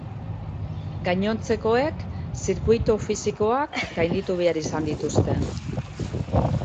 Gainontzekoek zirkuitu fisikoak gainditu behar izan dituzte.